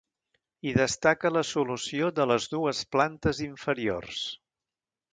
Hi destaca la solució de les dues plantes inferiors.